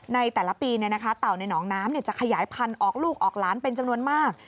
ในแต่ละปีเต่าในหนองน้ำจะขยายพันธุ์ออกลูกออกหลานเป็นจำนวนมาก